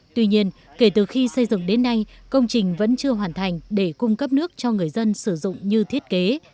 tuy nhiên kể từ khi xây dựng đến nay công trình vẫn chưa hoàn thành để cung cấp nước cho người dân sử dụng như thiết kế